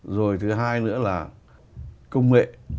rồi thứ hai nữa là công nghệ